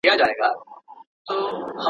دا درې واړه تباه کوونکي دي.